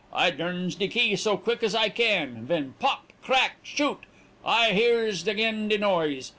I durns de key so quick as I can, ven pop! crack! shoot! I hears again de noise.